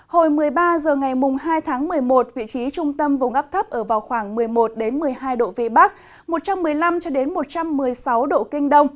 hồi một mươi ba h ngày hai tháng một mươi một vị trí trung tâm vùng ấp thấp ở vào khoảng một mươi một một mươi hai độ vn một trăm một mươi năm một trăm một mươi sáu độ k